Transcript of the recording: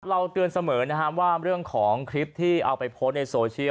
เราเตือนเสมอนะครับว่าเรื่องของคลิปที่เอาไปโพสต์ในโซเชียล